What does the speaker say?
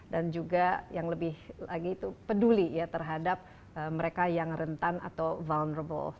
dan juga yang lebih lagi itu peduli ya terhadap mereka yang rentan atau vulnerable